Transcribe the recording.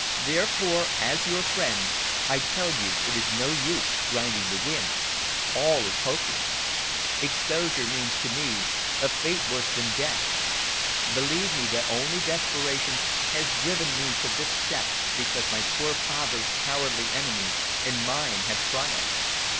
Therefore, as your friend I tell you it is no use grinding the wind. All is hopeless! Exposure means to me a fate worse than death! Believe me that only desperation has driven me to this step because my poor father's cowardly enemies and mine have triumphed.